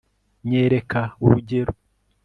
nyereka urugero